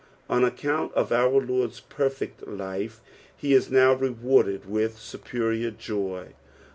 On account of onr Lord's perfect lite he ia now rewaided with BUpeiior joy.